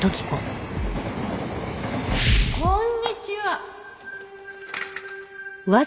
こんにちは。